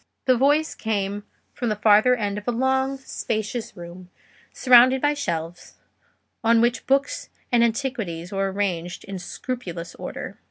The voice came from the farther end of a long, spacious room, surrounded with shelves, on which books and antiquities were arranged in scrupulous order.